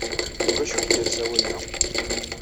Deg wacu ay k-yerza waya?